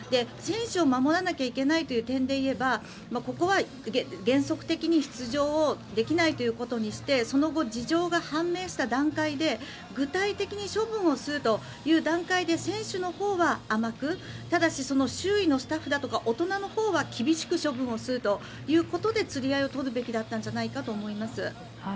選手を守らなきゃいけないという点でいえばここは原則的に出場できないことにしてその後、事情が判明した段階で具体的に処分をするという段階で選手のほうは甘くただしその周囲のスタッフだとか大人のほうは厳しく処分をするということで釣り合いを取るべきだったんじゃないかと思います。